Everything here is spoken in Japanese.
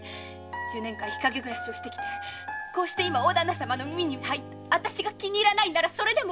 １０年間日陰暮らしをして来てこうして大旦那様の耳に入って私が気に入らないならいいんです。